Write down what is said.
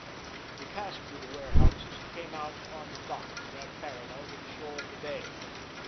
He passed through the warehouses and came out upon the dock that ran parallel with the shore of the bay.